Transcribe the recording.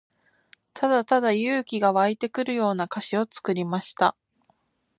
ただただ勇気が湧いてくるような歌詞を作りました。